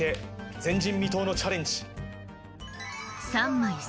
前人未到のチャレンジ。